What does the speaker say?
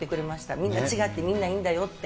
みんな違ってみんないいんだよって。